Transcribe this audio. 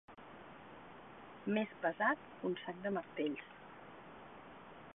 Més pesat que un sac de martells.